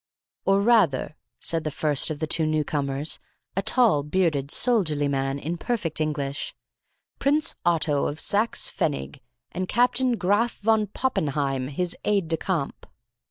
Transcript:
"Or, rather," said the first of the two newcomers, a tall, bearded, soldierly man, in perfect English, "Prince Otto of Saxe Pfennig and Captain the Graf von Poppenheim, his aide de camp."